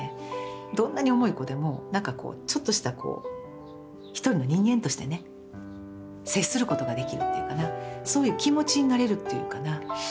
どんなに重い子でも何かこうちょっとしたこう一人の人間としてね接することができるっていうかなそういう気持ちになれるっていうかな